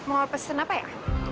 mau pesen apa ya